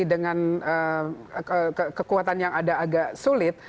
dengan kekuatan yang ada agak sulit